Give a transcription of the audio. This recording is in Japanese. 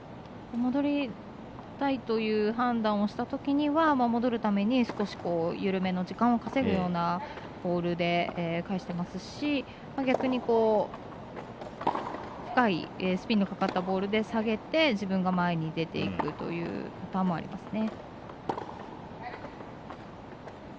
戻りたいという判断をしたときには戻るために、少し緩めの時間を稼ぐようなボールで返してますし逆に、深いスピンのかかったボールで下げて自分が前に出ていくというパターンもありますね。